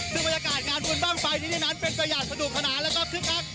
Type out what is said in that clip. ซึ่งบรรยากาศงานบุญบ้างไฟที่นี่นั้นเป็นสยาติประดูกขนาดแล้วก็ครึ่งครัก